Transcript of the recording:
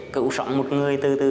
cựu sọng một người từ từ